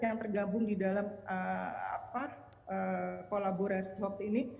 yang tergabung di dalam kolaborasi hoax ini